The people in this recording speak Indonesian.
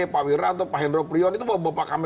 pak wiratong pak hendroprion itu bapak kami